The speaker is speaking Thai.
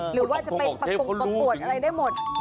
หรือว่าจะไปประกวดอะไรได้หมด